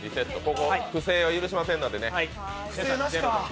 不正は許しませんのでね。